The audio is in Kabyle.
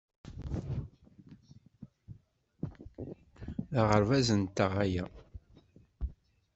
D aɣerbaz-nteɣ aya.